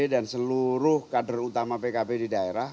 dan seluruh kader utama bkb di daerah